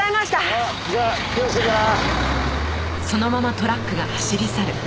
ああじゃあ気をつけてな。